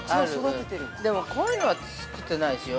でも、こういうのは作ってないですよ。